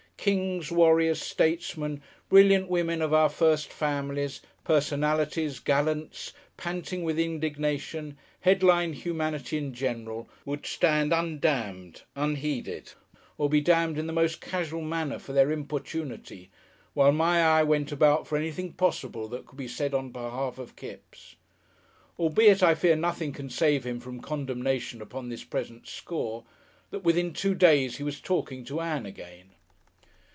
Kings, warriors, statesmen, brilliant women of our first families, personalities, gallants, panting with indignation, headline humanity in general, would stand undamned, unheeded, or be damned in the most casual manner for their importunity, while my eye went about for anything possible that could be said on behalf of Kipps.... Albeit I fear nothing can save him from condemnation upon this present score, that within two days he was talking to Ann again.